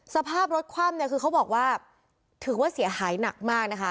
สภาพรถคว่ำเนี่ยคือเขาบอกว่าถือว่าเสียหายหนักมากนะคะ